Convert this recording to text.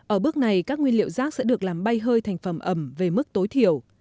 ở bước này các nguyên liệu rác sẽ được làm bay hơi thành phẩm ẩm về mức tối thiểu